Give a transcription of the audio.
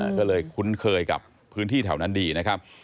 ก็เลยคุ้นเคยกับพื้นที่แถวนั้นดีนะครับ